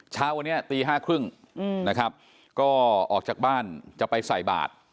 เช้าวันนี้ตี๕๓๐นะครับก็ออกจากบ้านจะไปใส่บาท